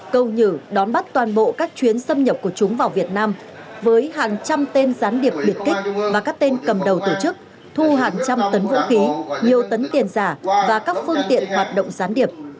câu nhử đón bắt toàn bộ các chuyến xâm nhập của chúng vào việt nam với hàng trăm tên gián điệp biệt kích và các tên cầm đầu tổ chức thu hàng trăm tấn vũ khí nhiều tấn tiền giả và các phương tiện hoạt động gián điệp